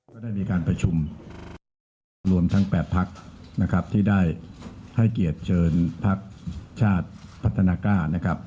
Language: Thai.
ก็ได้มีการประชุมนะครับรวมทั้ง๘พักนะครับที่ได้ให้เกียรติเชิญพักชาติพัฒนากล้านะครับ